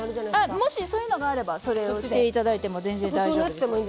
もしそういうのがあればそれをして頂いても全然大丈夫です。